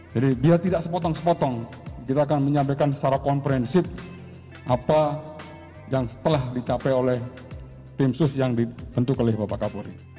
jadi biar tidak sepotong sepotong kita akan menyampaikan secara komprensif apa yang setelah dicapai oleh tim khusus yang dibentuk oleh bapak kapolri